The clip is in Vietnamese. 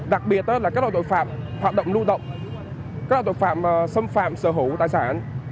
đặc biệt là các loại tội phạm hoạt động lưu động các loại tội phạm xâm phạm sở hữu tài sản